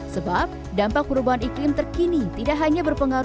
sebab dampak perubahan iklim terkini tidak hanya berpengaruh